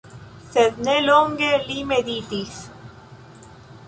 Sed ne longe li meditis.